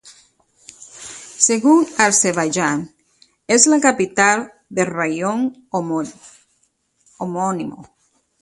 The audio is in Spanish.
Según Azerbaiyán, es la capital del raión homónimo.